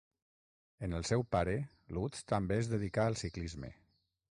En el seu pare Lutz també es dedicà al ciclisme.